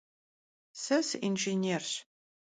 Se sıinjjênêrş.